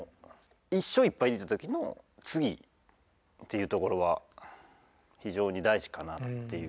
１勝１敗でいった時の次っていうところは非常に大事かなっていう。